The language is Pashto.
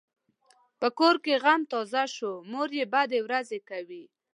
په کور کې غم تازه شو؛ مور یې بدې ورځې کوي.